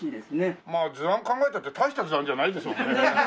まあ図案考えたって大した図案じゃないですもんね。